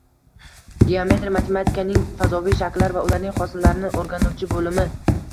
Geometriya matematikaning fazoviy shakllar va ularning xossalarini oʻrganuvchi boʻlimi